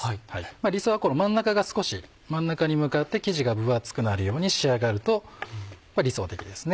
理想はこの真ん中が少し真ん中に向かって生地が分厚くなるように仕上がると理想的ですね。